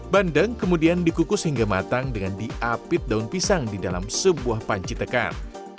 bandeng kemudian dikukus hingga matang dengan diapit daun pisang di dalam sebuah panci tekan